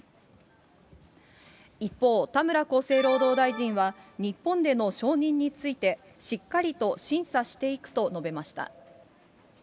一方、田村厚生労働大臣は、日本での承認について、しっかりと審査していくと述べました。